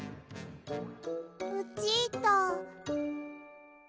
ルチータ。